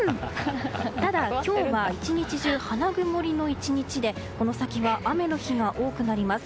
ただ今日は１日中花曇りの１日でこの先は、雨の日が多くなります。